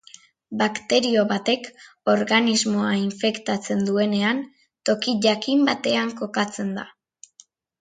Bakterio batek organismoa infektatzen duenean toki jakin batean kokatzen da.